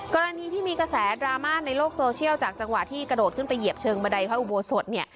กรณีที่มีกระแสดราม่าในโลกโซเชียลจากจังหวะที่กระโดดขึ้นไปเหยียบเชิงบันไดพระอุโบสถเนี่ย